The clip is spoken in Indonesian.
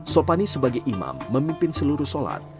sopanis sebagai imam memimpin seluruh sholat